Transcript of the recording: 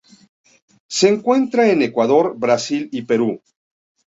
Se encuentra en Ecuador, Brasil y Perú.